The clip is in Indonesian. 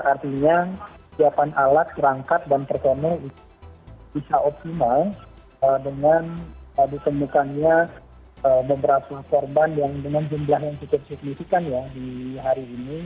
artinya siapkan alat rangkat dan performa itu bisa optimal dengan ditemukannya beberapa korban yang dengan jumlah yang cukup signifikan di hari ini